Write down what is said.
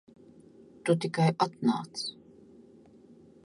Tu tikai atnāc.